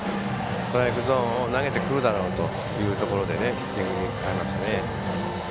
ストライクゾーンを投げてくるだろうというところでヒッティングに変えましたね。